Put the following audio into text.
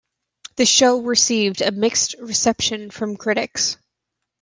The show received a mixed reception from critics.